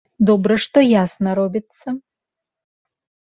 Добра, што ясна робіцца.